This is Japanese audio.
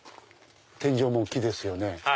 天井も木ですよね。